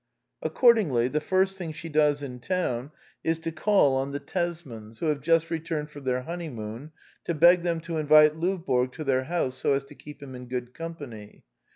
Accordingly, the first thing she does in town is to call on the Tesmans, who have just returned from their honeymoon, to beg them to invite Lovborg to their house so as to keep him in good company.